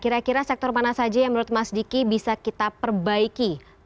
kira kira sektor mana saja yang menurut mas diki bisa kita perbaiki